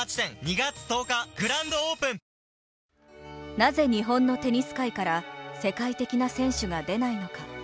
「なぜ日本のテニス界から世界的な選手が出ないのか」。